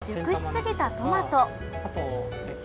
熟しすぎたトマト。